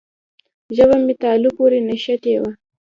ژبه مې تالو پورې نښتې وه.